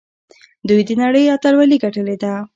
دوی د نړۍ اتلولي ګټلې ده.